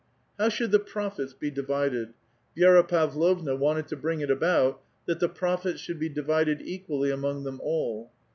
How should the profits be divided ? Vi^ra Pavlovna wanted bring it about that the profits should be divided equally «ttnong them all.